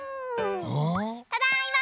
ただいま。